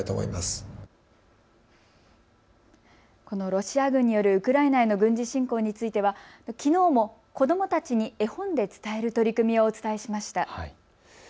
このロシア軍によるウクライナへの軍事侵攻についてはきのうも子どもたちに絵本で伝える取り組みをお伝えしました。